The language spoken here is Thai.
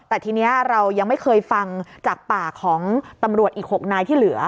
แต่ทีนี้เรายังไม่เคยฟังจากปากของตำรวจอีก๖นายที่เหลือ